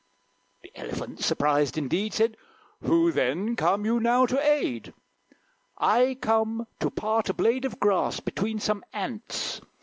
The Elephant, surprised indeed, Said, "Who, then, come you now to aid?" "I come to part a blade of grass Between some ants.